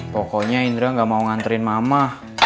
pokoknya indra gak mau nganterin mama